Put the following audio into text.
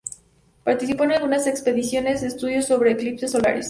Participó en algunas expediciones de estudio sobre eclipses solares.